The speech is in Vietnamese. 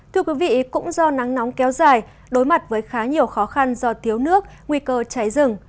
thưa quý vị cũng do nắng nóng kéo dài đối mặt với khá nhiều khó khăn do thiếu nước nguy cơ cháy rừng